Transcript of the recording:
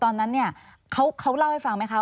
๑๖ตอนนั้นเขาเล่าให้ฟังไหมคะ